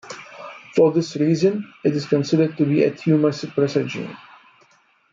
For this reason, it is considered to be a tumor suppressor gene.